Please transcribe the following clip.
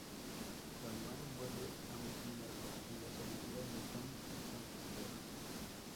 Twain vuelve a mencionarlo en "Las Aventuras de Tom Sawyer".